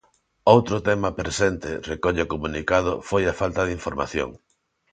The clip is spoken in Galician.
Outro tema presente, recolle o comunicado, foi a falta de información.